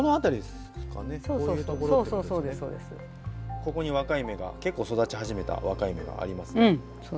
ここに若い芽が結構育ち始めた若い芽がありますので。